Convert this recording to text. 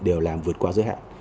đều làm vượt qua giới hạn